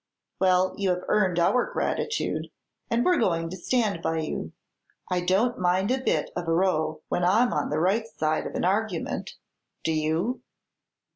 "Well, you have earned our gratitude, and we're going to stand by you. I don't mind a bit of a row, when I'm on the right side of an argument. Do you?"